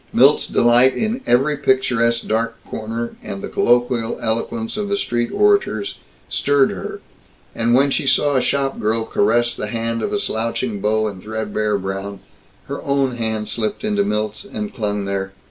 Milt's delight in every picturesque dark corner, and the colloquial eloquence of the street orators, stirred her. And when she saw a shopgirl caress the hand of a slouching beau in threadbare brown, her own hand slipped into Milt's and clung there.